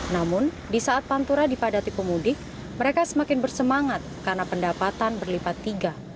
namun di saat pantura dipadati pemudik mereka semakin bersemangat karena pendapatan berlipat tiga